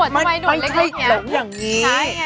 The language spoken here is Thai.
มันไม่ใช่หลงอย่างนี้